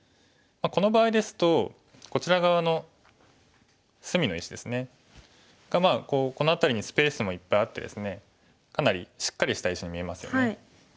この場合ですとこちら側の隅の石ですね。がこの辺りにスペースもいっぱいあってですねかなりしっかりした石に見えますよね。